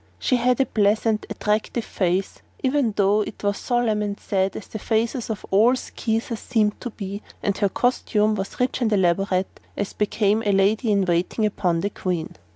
She had a pleasant, attractive face, even though it was solemn and sad as the faces of all Skeezers seemed to be, and her costume was rich and elaborate, as became a lady in waiting upon the Queen.